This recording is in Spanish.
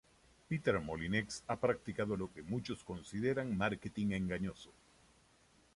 Peter Molyneux ha practicado lo que muchos consideran marketing engañoso.